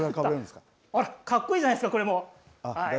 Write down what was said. かっこいいじゃないですかこれも。